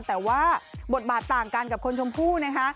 แต่ว่าบทบาทต่างกันกับคนชมพู่นะคะ